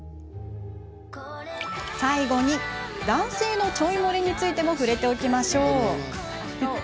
最後に男性のちょい漏れについても触れておきましょう。